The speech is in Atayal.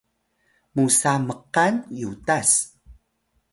musa mkal yutas